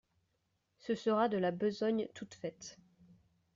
Ce sera de la besogne toute faite.